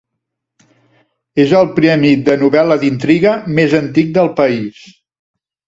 És el premi de novel·la d’intriga més antic del país.